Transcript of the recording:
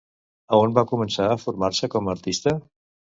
A on va començar a formar-se com a artista?